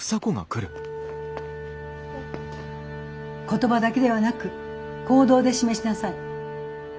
言葉だけではなく行動で示しなさい。